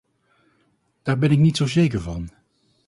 Daar ben ik niet zo zeker van.